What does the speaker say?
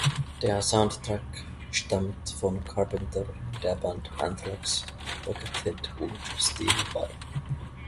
Der Soundtrack stammt von Carpenter, der Band Anthrax, Buckethead und Steve Vai.